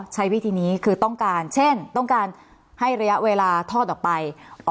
ใช้วิธีนี้คือต้องการเช่นต้องการให้ระยะเวลาทอดออกไป